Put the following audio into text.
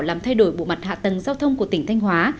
làm thay đổi bộ mặt hạ tầng giao thông của tỉnh thanh hóa